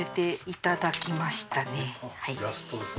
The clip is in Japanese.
イラストですか？